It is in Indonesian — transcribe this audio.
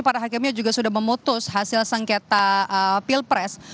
para hakimnya juga sudah memutus hasil sengketa pilpres